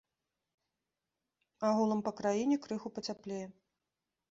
Агулам па краіне крыху пацяплее.